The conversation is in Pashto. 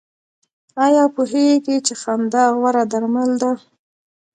ایا پوهیږئ چې خندا غوره درمل ده؟